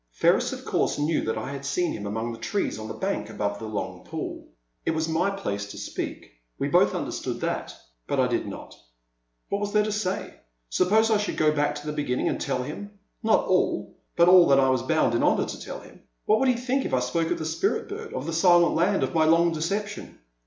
Ferris of course knew that I had seen him among the trees on the bank above the long pool. It was my place to speak ; we both understood that, but I did not. What was there to say? Suppose I should go back to the beginning and tell him — not all, but all that I was bound in honour to tell him. What would he think if I spoke of the Spirit bird, of the Silent Land, of my long deception